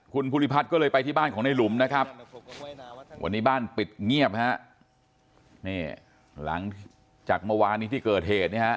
คุณภูริพัฒน์ก็เลยไปที่บ้านของในหลุมนะครับวันนี้บ้านปิดเงียบฮะนี่หลังจากเมื่อวานนี้ที่เกิดเหตุเนี่ยฮะ